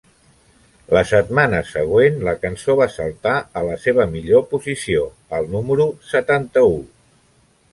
La setmana següent, la cançó va saltar a la seva millor posició al número setanta-u.